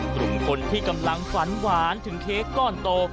กลุ่มคนที่กำลังฝันหวานถึงเค้กก้อนโต